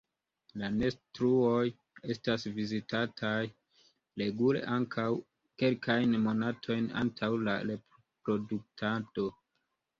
La nestotruoj estas vizitataj regule ankaŭ kelkajn monatojn antaŭ la reproduktado.